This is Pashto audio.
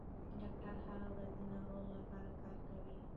ډاکټران هره ورځ د ناروغ لپاره کار کوي.